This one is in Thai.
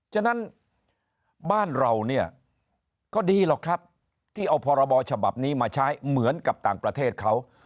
ฉะนั้นบ้านเราเนี่ยก็ดีหรอกครับที่เอาพรบฉบับนี้มาใช้เหมือนกับต่างประเทศเขา